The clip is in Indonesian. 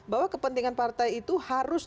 bahwa kepentingan partai itu harus